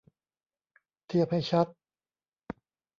เทียบให้ชัด